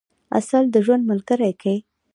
عسل د ژوند ملګری کئ.